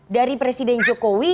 dari presiden jokowi